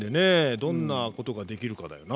どんなことができるかだよな。